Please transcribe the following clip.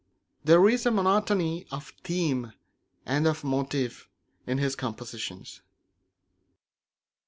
There is a monotony of theme and of motive in his compositions.